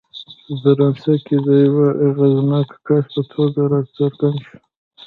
په فرانسه کې د یوه اغېزناک کس په توګه راڅرګند شو.